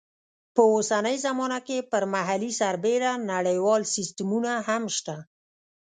په اوسنۍ زمانه کې پر محلي سربېره نړیوال سیسټمونه هم شته.